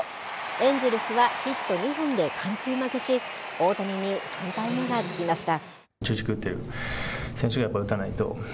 エンジェルスはヒット２本で完封負けし大谷に３敗目がつきました。